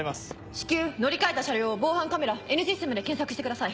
至急乗り換えた車両を防犯カメラＮシステムで検索してください。